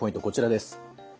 こちらです。